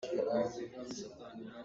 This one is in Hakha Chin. A hrip hriau ngai.